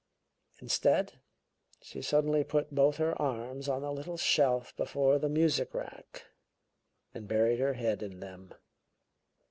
Instead, she suddenly put both her arms on the little shelf before the music rack and buried her head in them.